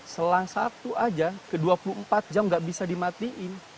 selang sabtu saja ke dua puluh empat jam tidak bisa dimatikan